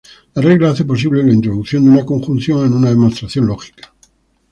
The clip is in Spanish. La regla hace posible la introducción de una conjunción en una demostración lógica.